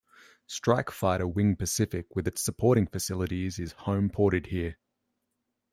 Strike Fighter Wing Pacific with its supporting facilities is home ported here.